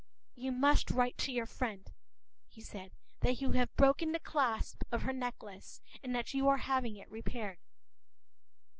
p>“You must write to your friend,” he said, “that you have broken the clasp of her necklace and that you are having it repaired.